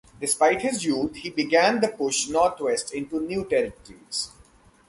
Despite his youth he began the push northwest into new territories.